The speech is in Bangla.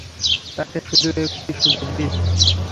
তাকে শুধু একটি সুযোগ দিন!